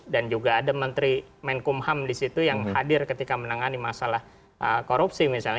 dan juga ada menteri menkumham di situ yang hadir ketika menangani masalah korupsi misalnya